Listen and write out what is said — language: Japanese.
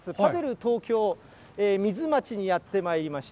東京ミズマチにやってまいりました。